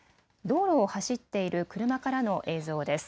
道路を走っている車からの映像です。